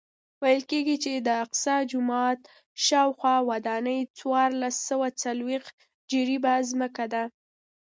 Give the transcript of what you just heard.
ویل کېږي د اقصی جومات شاوخوا ودانۍ څوارلس سوه څلوېښت جریبه ځمکه ده.